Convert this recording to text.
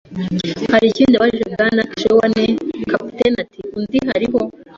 “Hari ikindi?” yabajije Bwana Trelawney. Kapiteni ati: “Undi.” “Hariho